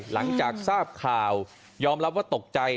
หลังจากทราบข่าวยอมรับว่าตกใจ